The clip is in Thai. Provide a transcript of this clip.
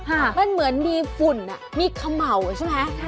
อ่ามันเหมือนมีฝุ่นมีขมาวใช่ไหม